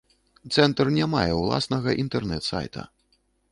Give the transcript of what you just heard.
Цэнтр не мае ўласнага інтэрнэт-сайта.